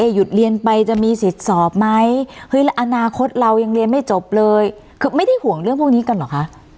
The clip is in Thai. หยุดเรียนไปจะมีสิทธิ์สอบไหมเฮ้ยแล้วอนาคตเรายังเรียนไม่จบเลยคือไม่ได้ห่วงเรื่องพวกนี้กันเหรอคะ